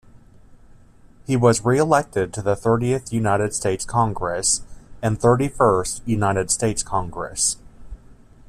He was reelected to the Thirtieth United States Congress and Thirty-first United States Congress.